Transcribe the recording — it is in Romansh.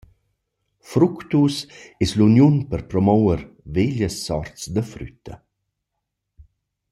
Fructus es l’uniun per promover veglias sorts da frütta.